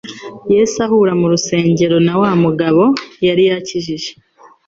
Yesu ahurira mu rusengero na wa mugabo yari yakijije.